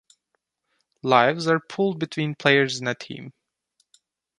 Lives are pooled between players in a team.